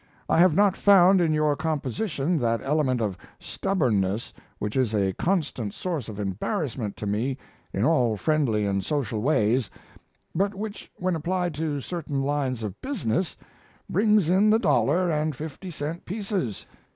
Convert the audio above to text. I have not found in your composition that element of stubbornness which is a constant source of embarrassment to me in all friendly and social ways, but which, when applied to certain lines of business, brings in the dollar and fifty cent pieces.